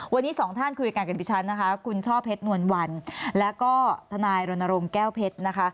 วันนี้สองท่านคุยกันกับดิฉันนะคะคุณช่อเพชรนวลวันแล้วก็ทนายรณรงค์แก้วเพชรนะคะ